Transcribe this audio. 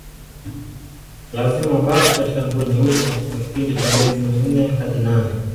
Lazima wabaki katika nguo nyeusi kwa kipindi cha miezi minne hadi nane